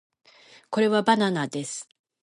これはバナナです